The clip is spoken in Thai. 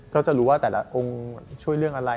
ก็จะรู้ว่าแต่ละองค์ช่วยเรื่องอะไร